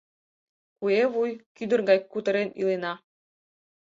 Куэ вуй кӱдыр гай кутырен илена